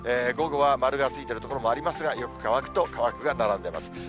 午後は丸がついてる所もありますが、よく乾くと乾くが並んでます。